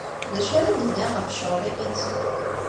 D acu ara d-iniɣ ɣef ccɣel-agi-nsen?